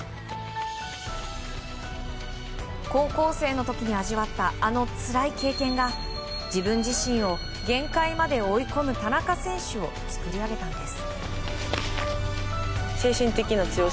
高校生の時に味わったあのつらい経験が自分自身を限界まで追い込む田中選手を作り上げたんです。